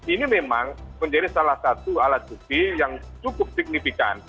ini memang menjadi salah satu alat bukti yang cukup signifikan